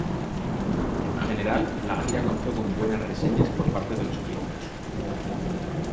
En general, la gira contó con buenas reseñas de parte de los críticos.